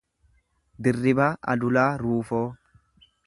Dirribaa Adulaa Ruufoo